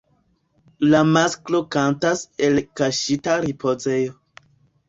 La masklo kantas el kaŝita ripozejo.